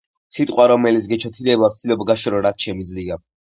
სიტყვა, რომელიც გეჩოთირება ვცდილობგაშორო, რაც შემიძლია.